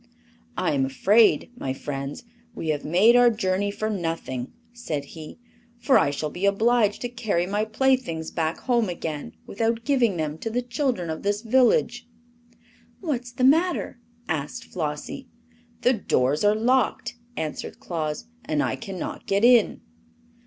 "I am afraid, my friends, we have made our journey for nothing," said he, "for I shall be obliged to carry my playthings back home again without giving them to the children of this village." "What's the matter?" asked Flossie. "The doors are locked," answered Claus, "and I can not get in."